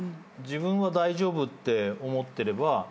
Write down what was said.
自分は大丈夫って思ってれば。